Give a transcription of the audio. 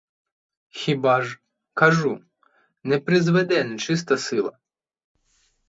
Хіба ж, кажу, не призведе нечиста сила.